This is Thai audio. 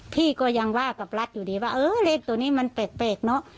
พี่ก็ยังว่ากับรัฐอยู่ดีว่าเออเลขตัวนี้มันแปลกเนอะ